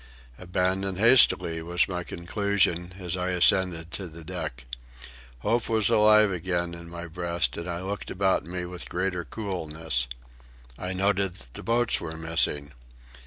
Abandoned hastily, was my conclusion, as I ascended to the deck. Hope was alive again in my breast, and I looked about me with greater coolness. I noted that the boats were missing.